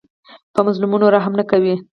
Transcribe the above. په مظلومانو رحم نه کوي.